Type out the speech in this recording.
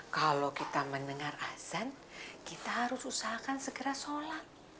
kalau kita mendengar azan kita harus usahakan segera sholat